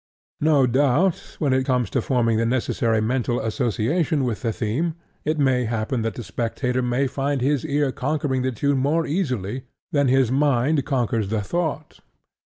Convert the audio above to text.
No doubt, when it comes to forming the necessary mental association with the theme, it may happen that the spectator may find his ear conquering the tune more easily than his mind conquers the thought.